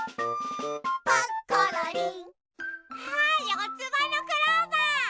よつばのクローバー！